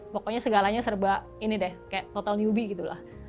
pokoknya segalanya serba ini deh kayak total newbie gitu lah